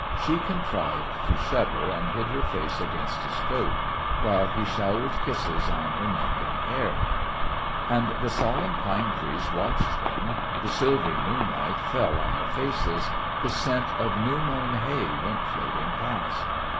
She contrived to shudder, and hid her face against his coat, while he showered kisses on her neck and hair. And the solemn pine trees watched them, the silvery moonlight fell on their faces, the scent of new mown hay went floating past.